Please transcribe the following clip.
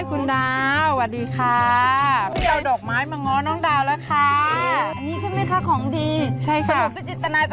อุ๊ยดอกไม้สวย